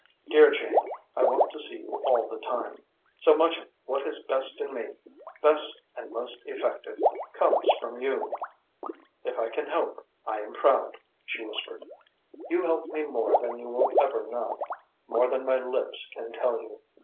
Dear Jane, I want to see you all the time. So much of what is best in me, best and most effective, comes from you." "If I can help, I am proud," she whispered. "You help more than you will ever know, more than my lips can tell you.